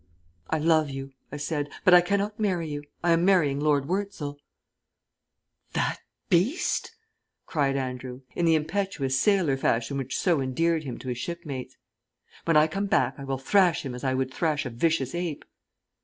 "I love you," I said, "but I cannot marry you. I am marrying Lord Wurzel." "That beast?" cried Andrew, in the impetuous sailor fashion which so endeared him to his shipmates. "When I come back I will thrash him as I would thrash a vicious ape."